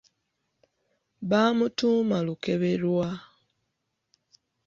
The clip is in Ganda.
Baamutuuma Lukeberwa.